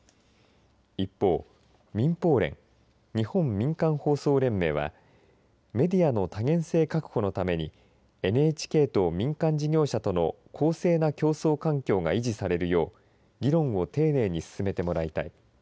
一方、民放連日本民間放送連盟はメディアの多元性確保のためにＮＨＫと民間事業者との公正な競争環境が維持されるよう議論を丁寧に進めてもらいたい。